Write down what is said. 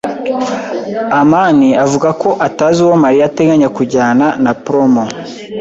amani avuga ko atazi uwo Mariya ateganya kujyana na promo.